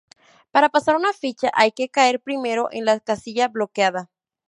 Para pasar una ficha hay que caer primero en la casilla bloqueada.